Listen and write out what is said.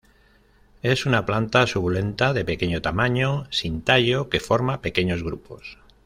Es una planta suculenta de pequeño tamaño, sin tallo, que forma pequeños grupos.